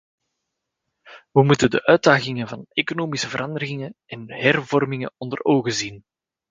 We moeten de uitdagingen van economische veranderingen en hervormingen onder ogen zien.